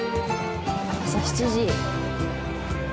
朝７時。